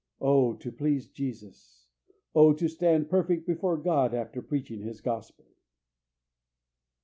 Oh, to please Jesus! Oh, to stand perfect before God after preaching His Gospel!